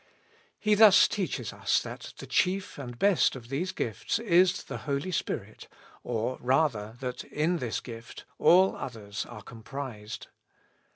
" He thus teaches us that the chief and the best of these gifts is the Holy Spirit, or rather, that in this gift all others are comprised.